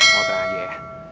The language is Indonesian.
mau terang aja ya